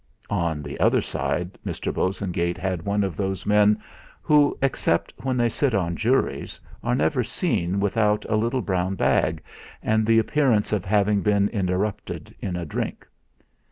On the other side Mr. Bosengate had one of those men, who, except when they sit on juries, are never seen without a little brown bag, and the appearance of having been interrupted in a drink.